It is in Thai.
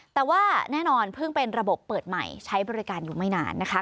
แต่ว่าแน่นอนเพิ่งเป็นระบบเปิดใหม่ใช้บริการอยู่ไม่นานนะคะ